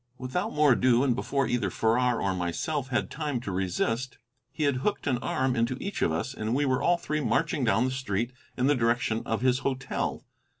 Without more ado, and before either Farrar or myself had time to resist, he had hooked an arm into each of us, and we were all three marching down the street in the direction of his hotel.